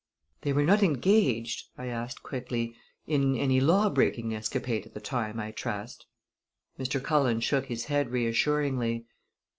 "They were not engaged," I asked quickly, "in any lawbreaking escapade at the time, I trust!" Mr. Cullen shook his head reassuringly.